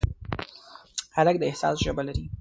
هلک د احساس ژبه لري.